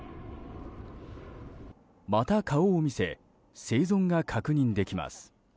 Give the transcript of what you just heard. また顔を見せ生存が確認できます。